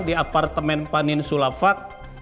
di apartemen panin sulafat